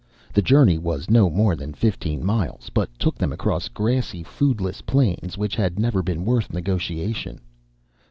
The journey was no more than fifteen miles, but took them across grassy, foodless plains which had never been worth negotiation.